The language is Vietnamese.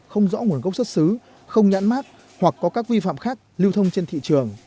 không rõ nguồn gốc xuất xứ không nhãn mát hoặc có các vi phạm khác lưu thông trên thị trường